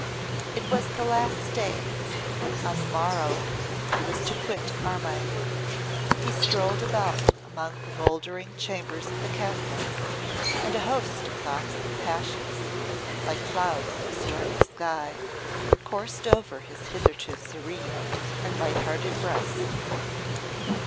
It was the last day; on the morrow he was to quit Armine. He strolled about among the mouldering chambers of the castle, and a host of thoughts and passions, like clouds in a stormy sky, coursed over his hitherto serene and light hearted breast.